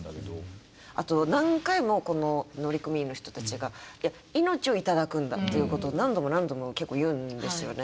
あと何回もこの乗組員の人たちが「命を頂くんだ」っていうことを何度も何度も結構言うんですよね。